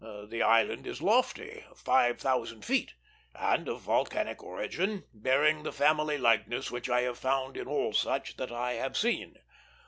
The island is lofty five thousand feet and of volcanic origin; bearing the family likeness which I have found in all such that I have seen.